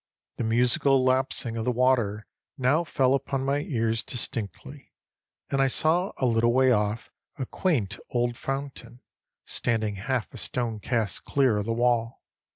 The musical lapsing of the water now fell upon my ears distinctly, and I saw a little way off a quaint old fountain, standing half a stonecast clear of the wall.